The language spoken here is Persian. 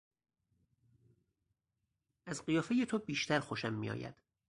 از قیافهی تو بیشتر خوشم میآید.